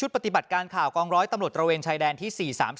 ปฏิบัติการพิเศษ